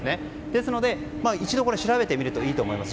ですので、一度調べてみるといいと思います。